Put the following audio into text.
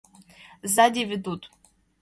— Сзади ведут...